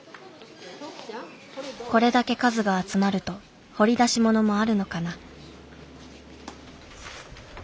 これだけ数が集まると掘り出し物もあるのかな。